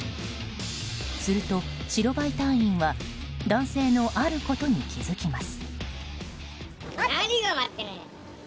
すると白バイ隊員は男性のあることに気づきます。